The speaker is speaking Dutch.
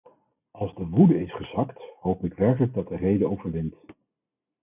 Als de woede is gezakt, hoop ik werkelijk dat de rede overwint.